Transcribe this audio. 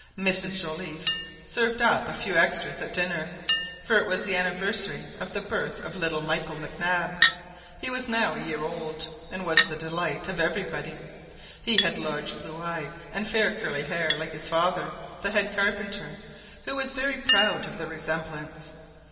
Mrs Joliffe served up a few extras at dinner, for it was the anniversary of the birth of little Michael Mac Nab. He was now a year old, and was the delight of everybody. He had large blue eyes and fair curly hair, like his father, the head carpenter, who was very proud of the resemblance.